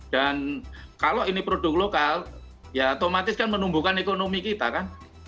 dan kalau ini produk lokal ya otomatis kan menumbuhkan ekonomi kita kan